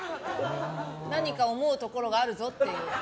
何か思うところがあるぞっていう。